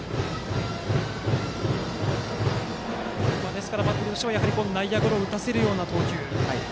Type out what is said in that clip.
ですからバッテリーは内野ゴロを打たせるような投球と。